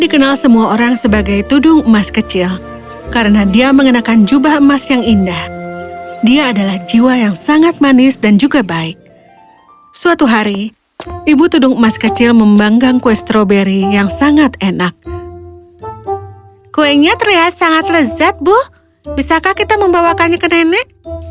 kuenya terlihat sangat lezat bu bisakah kita membawakannya ke nenek